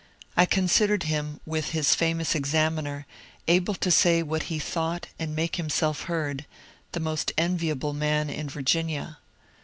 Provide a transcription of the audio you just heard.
I considered him, with his famous ^^ Examiner," able to say what he thought and make himself heard, the most enviable man in Virginia.